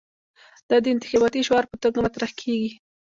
دا د انتخاباتي شعار په توګه مطرح کېږي.